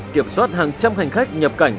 kiểm soát hàng trăm hành khách nhập cảnh